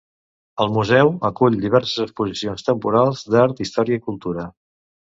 El museu acull diverses exposicions temporals d'art, història i cultura.